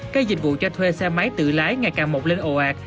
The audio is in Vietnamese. cây dịch vụ cho thuê xe máy tự lái ngày càng mọc lên ồ ạt